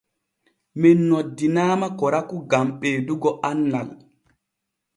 Men noddinaama korakou gan ɓeedugo annal.